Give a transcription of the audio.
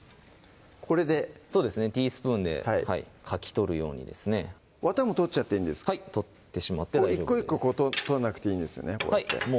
これでティースプーンでかき取るようにですねわたも取っちゃっていいんですかはい取ってしまって１個１個取らなくていいんですね